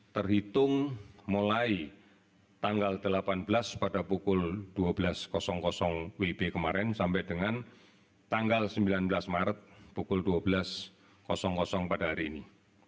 terhitung mulai tanggal delapan belas pada pukul dua belas wib kemarin sampai dengan tanggal sembilan belas maret pukul dua belas pada hari ini